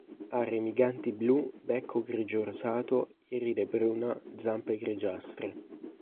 Ha remiganti blu, becco grigio rosato, iride bruna, zampe grigiastre.